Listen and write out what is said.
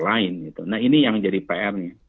lain gitu nah ini yang jadi pr nya